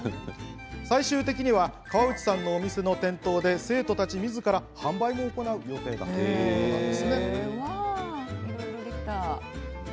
最終的には河内さんのお店の店頭で生徒たちみずから販売も行う予定なんです。